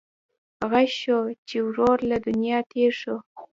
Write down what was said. غږ شو چې ورور له دنیا تېر شو.